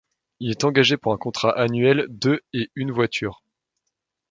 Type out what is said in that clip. Il est engagé pour un contrat annuel de et une voiture.